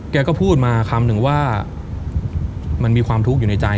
แกก็พูดมาคำหนึ่งว่ามันมีความทุกข์อยู่ในใจ